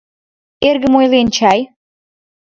Эргым ойлен чай?